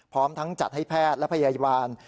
พร้อมทั้งจัดให้แพทย์และพยาบาล